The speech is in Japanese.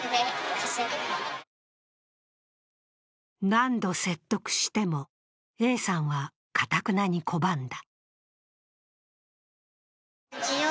何度説得しても、Ａさんは頑なに拒んだ。